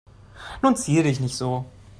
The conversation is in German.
Nun zier dich nicht so.